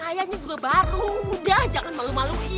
kayanya gua baru udah jangan malu maluin